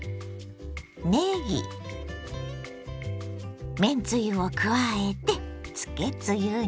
ねぎめんつゆを加えてつけつゆに。